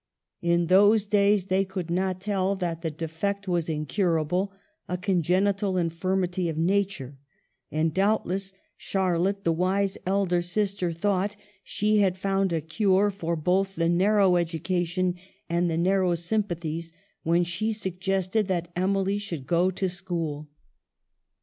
In those days they could not tell that the defect was incurable, a congen ital infirmity of nature ; and doubtless Charlotte, the wise elder sister, thought she had found a cure for both the narrow education and the nar row sympathies when she suggested that Emily should go to school.